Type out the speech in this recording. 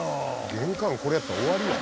玄関これやったら終わりやん。